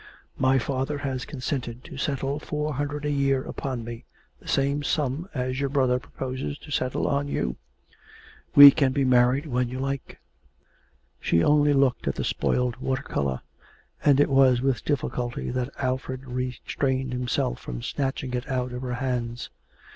My father has consented to settle four hundred a year upon me, the same sum as your brother proposes to settle on you. We can be married when you like.' She only looked at the spoilt water colour, and it was with difficulty that Alfred restrained himself from snatching it out of her hands.